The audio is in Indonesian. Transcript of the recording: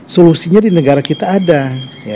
solusinya di negara negara kaya aja